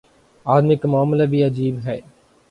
آدمی کا معاملہ بھی عجیب ہے۔